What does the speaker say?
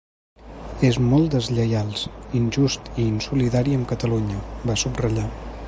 És molt deslleials, injust i insolidari amb Catalunya, va subratllar.